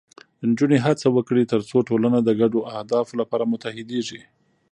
نجونې هڅه وکړي، ترڅو ټولنه د ګډو اهدافو لپاره متحدېږي.